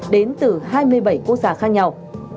đến từ hai mươi bảy quốc gia khác nhau